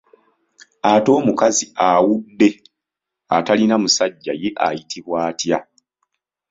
Ate omukazi awudde atalina musajja ye ayitibwa atya?